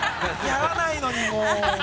やらないのにもう。